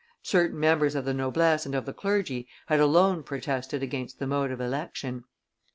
Certain members of the noblesse and of the clergy had alone protested against the mode of election.